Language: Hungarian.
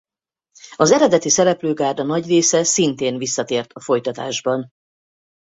Az eredeti szereplőgárda nagy része szintén visszatért a folytatásban.